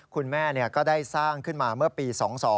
คุณแม่ก็ได้สร้างขึ้นมาเมื่อปี๒๒